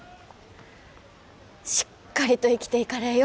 しっかりと生きていかれえよ。